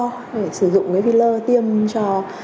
để sử dụng cái filler tiêm cho